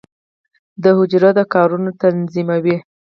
د حجره د کارونو تنظیموي.